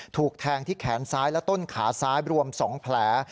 ถูกแทงที่แขนซ้ายและต้นขาซ้ายรวม๒แผล